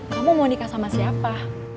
kamu mau nikah sama siapa